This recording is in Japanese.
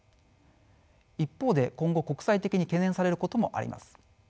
一方で今後国際的に懸念されることもあります。